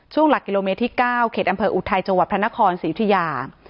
ช่วงหลักกิโลเมตรที่เก้าเขตอำเภออุทไทยจังหวัดพระนครศรีวิทยา